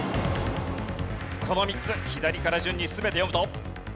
この３つ左から順に全て読むと？